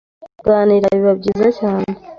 Kuganira biba byiza cyane